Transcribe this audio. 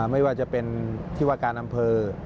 ไม่ว่าจะเป็นที่ว่าการอำเภอ